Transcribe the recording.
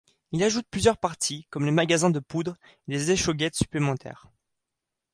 Il ajoute plusieurs parties, comme les magasins de poudre et des échauguettes supplémentaires.